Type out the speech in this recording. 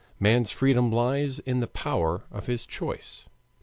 Man's freedom lies in the power of this choice.